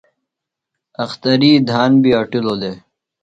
اختری دھان بیۡ اٹِلوۡ دےۡ۔